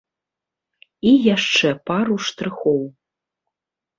І яшчэ пара штрыхоў.